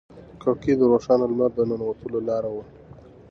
کړکۍ د روښانه لمر د ننوتلو لاره وه.